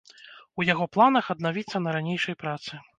У яго планах аднавіцца на ранейшай працы.